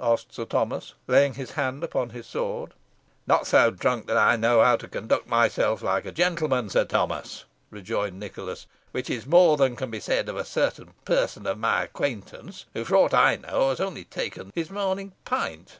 asked Sir Thomas, laying his hand upon his sword. "Not so drunk but that I know how to conduct myself like a gentleman, Sir Thomas," rejoined Nicholas, "which is more than can be said for a certain person of my acquaintance, who, for aught I know, has only taken his morning pint."